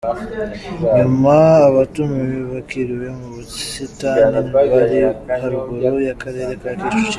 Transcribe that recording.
Nyuma , abatumiwe bakiriwe mu busitani buri haruguru y’Akarere ka Kicukiro.